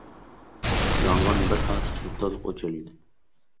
Yong‘in bir soat ichida to‘liq o‘chirilgan